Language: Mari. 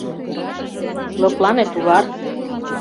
— Лыплане, тулар!..